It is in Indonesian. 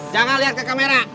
jangan liat ke kamera